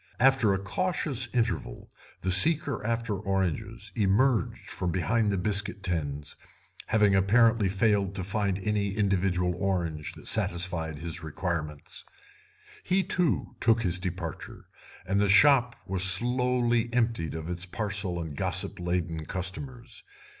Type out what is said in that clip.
After a cautious interval the seeker after oranges emerged from behind the biscuit tins, having apparently failed to find any individual orange that satisfied his requirements. He, too, took his departure, and the shop was slowly emptied of its parcel and gossip laden customers.